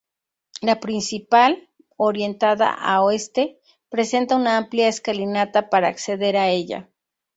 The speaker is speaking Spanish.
La principal, orientada a oeste, presenta una amplia escalinata para acceder a ella.